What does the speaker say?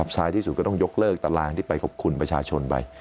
ท้ายที่สุดก็ต้องยกเลิกตารางที่ไปขอบคุณประชาชนไป